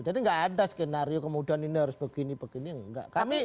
jadi gak ada skenario kemudian ini harus begini begini enggak